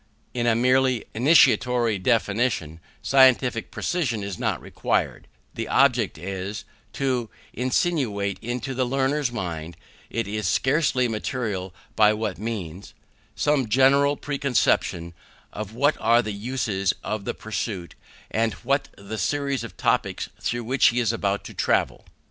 In a merely initiatory definition, scientific precision is not required: the object is, to insinuate into the learner's mind, it is scarcely material by what means, some general preconception of what are the uses of the pursuit, and what the series of topics through which he is about to travel.